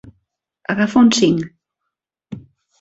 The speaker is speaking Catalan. Agafa un cinc.